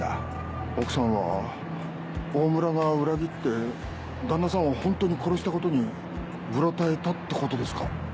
奥さんはオオムラが裏切って旦那さんを本当に殺したことにうろたえたってことですか？